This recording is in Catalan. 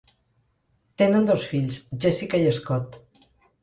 Tenen dos fills, Jessica i Scott.